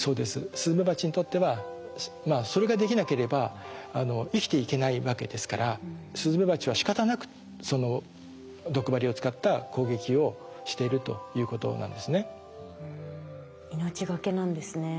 スズメバチにとってはそれができなければ生きていけないわけですからスズメバチはしかたなく毒針を使った攻撃をしているということなんですね。